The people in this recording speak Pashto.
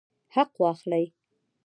حق واخلئ